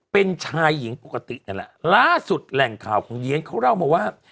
เป็นชายหญิงปกตินั่นแหละล่าสุดแหล่งข่าวของเยียนเขาเล่ามาว่า